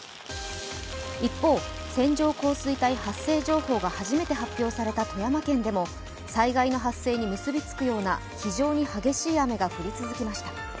一方、線状降水帯発生情報が初めて発表された富山県でも災害の発生に結びつくような非常に激しい雨が降り続きました。